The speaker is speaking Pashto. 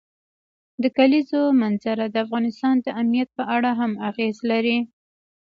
د کلیزو منظره د افغانستان د امنیت په اړه هم اغېز لري.